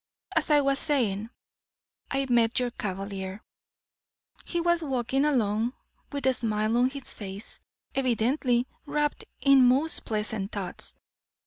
As I was saying, I met your cavalier; he was walking along, with a smile on his face evidently wrapped in most pleasant thoughts.